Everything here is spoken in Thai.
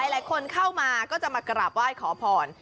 หลายคนเข้ามาก็จะมากราบไหว้ขอพร